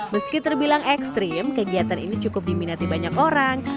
meski terbilang ekstrim kegiatan ini cukup diminati banyak orang